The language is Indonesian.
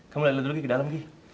kamu liat dulu gi ke dalam gi